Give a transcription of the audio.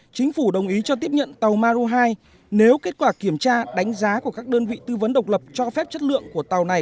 chính phủ đồng ý cho tiếp nhận tàu maru hai nếu kết quả kiểm tra đánh giá của các đơn vị tư vấn độc lập cho phép chất lượng của tàu này